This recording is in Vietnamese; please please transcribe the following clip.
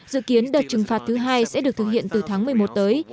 dự kiến đợt trừng phạt thứ hai sẽ được thực hiện từ tháng một mươi một tới